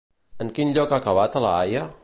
En quin lloc va acabar a la Haia?